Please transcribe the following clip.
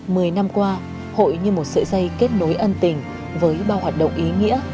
mười năm qua hội như một sợi dây kết nối ân tình với bao hoạt động ý nghĩa